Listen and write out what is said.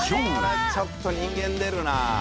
これちょっと人間出るなぁ。